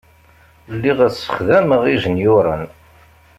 Lliɣ ssexdameɣ ijenyuṛen.